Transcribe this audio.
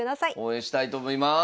応援したいと思います。